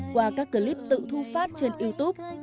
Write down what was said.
qua các clip tự thu phát trên youtube